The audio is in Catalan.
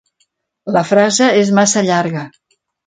La frase és massa llarga.